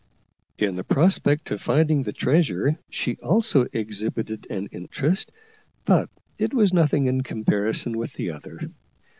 In the prospect of finding the treasure she also exhibited an interest, but it was nothing in comparison with the other.